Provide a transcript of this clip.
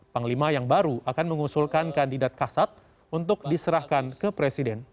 panglima yang baru akan mengusulkan kandidat kasat untuk diserahkan ke presiden